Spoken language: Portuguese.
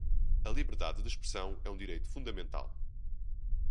A liberdade de expressão é um direito fundamental.